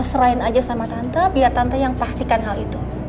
serain aja sama tante biar tante yang pastikan hal itu